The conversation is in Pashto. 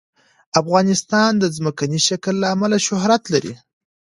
افغانستان د ځمکنی شکل له امله شهرت لري.